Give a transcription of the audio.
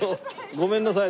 ごめんなさい。